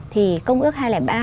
thì công ước hai trăm linh ba